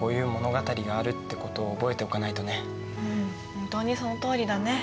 本当にそのとおりだね。